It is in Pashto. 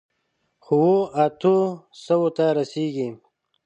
خو، اوو، اتو سووو ته رسېږي.